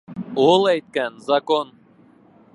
Ул әйткән - закон.